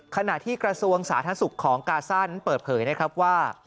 ขณะที่กระทรวงสาธารณสุขของกาซ่านั้นเปิดเผยนะครับว่า